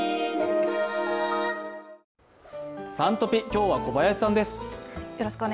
今日は小林さんです。